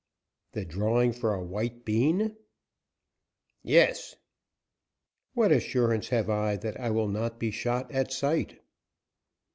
"The drawing for a white bean?" "Yes." "What assurance have I that I will not be shot at sight?"